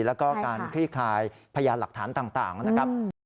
แล้วก็การคลี่คลายพยานหลักฐานต่างนะครับ